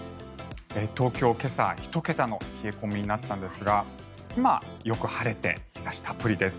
東京、今朝１桁の冷え込みになったんですが今はよく晴れて日差したっぷりです。